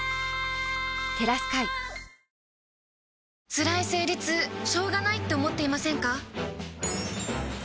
つらい生理痛しょうがないって思っていませんか？